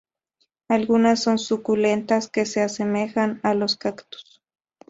Algunas son suculentas que se asemejan a los cactus.